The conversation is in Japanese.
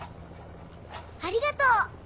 ありがとう！